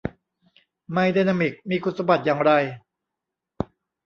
ไมค์ไดนามิกมีคุณสมบัติอย่างไร